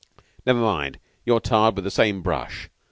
"Never mind, you're tarred with the same brush.